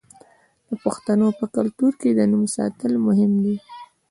د پښتنو په کلتور کې د نوم ساتل مهم دي.